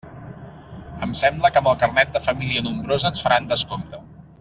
Em sembla que amb el carnet de família nombrosa ens faran descompte.